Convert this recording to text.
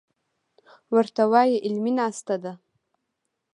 ورته وايه علمي ناسته ده.